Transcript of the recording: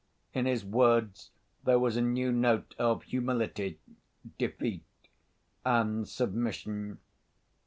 In his words there was a new note of humility, defeat and submission.